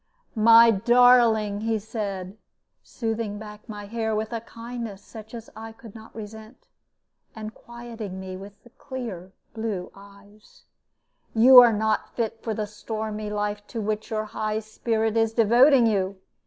"My darling," he said, smoothing back my hair with a kindness such as I could not resent, and quieting me with his clear blue eyes, "you are not fit for the stormy life to which your high spirit is devoting you.